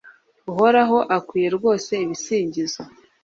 uhoraho akwiye rwose ibisingizo